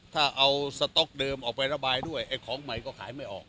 ถ้าเอาสต๊อกเดิมออกไประบายด้วยไอ้ของใหม่ก็ขายไม่ออก